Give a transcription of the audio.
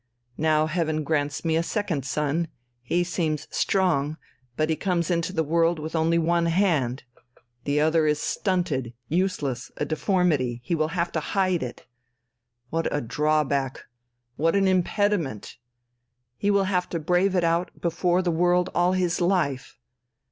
Now Heaven grants me a second son he seems strong, but he comes into the world with only one hand. The other is stunted, useless, a deformity, he will have to hide it. What a drawback! What an impediment! He will have to brave it out before the world all his life.